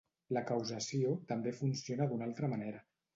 La causació també funciona d'una altra manera.